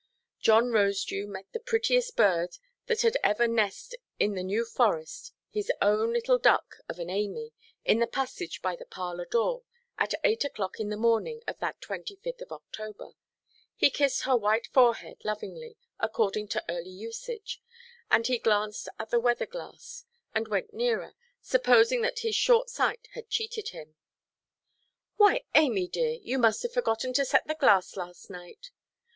John Rosedew met the prettiest bird that ever had nest in the New Forest, his own little duck of an Amy, in the passage by the parlour–door, at eight oʼclock in the morning of that 25th of October. He kissed her white forehead lovingly, according to early usage; then he glanced at the weather–glass, and went nearer, supposing that his short sight had cheated him. "Why, Amy dear, you must have forgotten to set the glass last night."